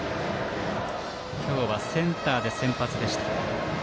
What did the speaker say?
今日はセンターで先発でした。